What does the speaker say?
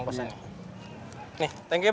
dahlah don't worry ker dispensin gak usah